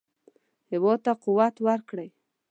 هېواد ته قوت ورکړئ